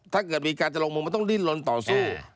ถ้าเกิดมีการจะลงมุมมันต้องดิ้นลนต่อสู้